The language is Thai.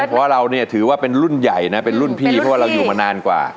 เพราะเราเนี่ยถือว่าเป็นรุ่นใหญ่นะเป็นรุ่นพี่เพราะว่าเราอยู่มานานกว่า